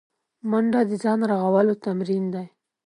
منډه د ځان رغولو تمرین دی